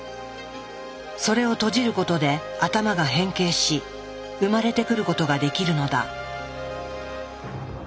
それを閉じることで頭が変形し生まれてくることができるのだ。